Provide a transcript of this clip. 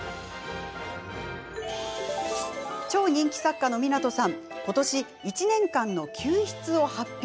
超人気作家の湊さんことし１年間の休筆を発表。